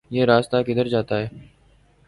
یہ راستہ کدھر جاتا ہے